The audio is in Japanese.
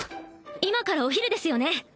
今からお昼ですよね？